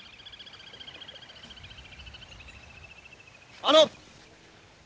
あの。